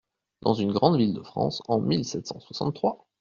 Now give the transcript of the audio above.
Dans une grande ville de France, en mille sept cent soixante-trois.